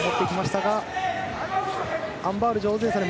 アン・バウル上手ですよね。